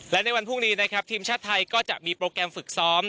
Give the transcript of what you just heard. และในวันพรุ่งนี้นะครับทีมชาติไทยก็จะมีโปรแกรมฝึกซ้อม